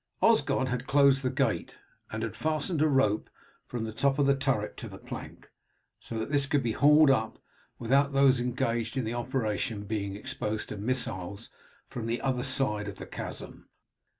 Osgod had closed the gate, and had fastened a rope from the top of the turret to the plank, so that this could be hauled up, without those engaged in the operation being exposed to missiles from the other side of the chasm.